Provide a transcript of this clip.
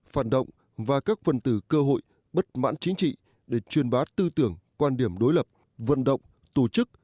phản động và các phần từ cơ hội bất mãn chính trị để truyền bá tư tưởng quan điểm đối lập vận động tổ chức